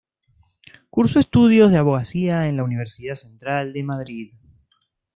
Cursó estudios de abogacía en la Universidad Central de Madrid.